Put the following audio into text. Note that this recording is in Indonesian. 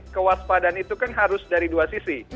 kewaspadaan itu kan harus dari dua sisi